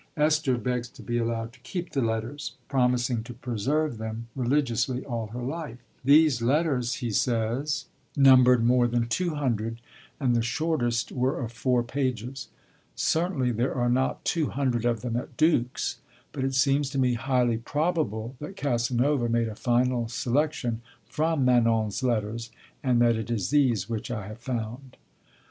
Esther begs to be allowed to keep the letters, promising to 'preserve them religiously all her life.' 'These letters,' he says, 'numbered more than two hundred, and the shortest were of four pages.' Certainly there are not two hundred of them at Dux, but it seems to me highly probable that Casanova made a final selection from Manon's letters, and that it is these which I have found.